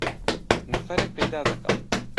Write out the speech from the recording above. نەفەرێک پەیدا دەکەم.